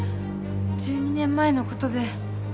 １２年前の事で。